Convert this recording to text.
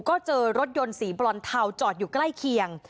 ก็เจอรถยนต์สีบรอนเทาจอดอยู่ใกล้เคียง